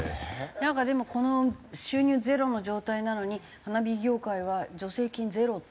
なんかでもこの収入ゼロの状態なのに花火業界は助成金ゼロ？